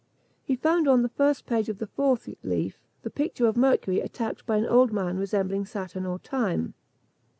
He found on the first page of the fourth leaf, the picture of Mercury attacked by an old man resembling Saturn or Time.